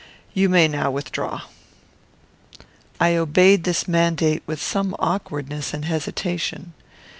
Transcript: You may now withdraw." I obeyed this mandate with some awkwardness and hesitation.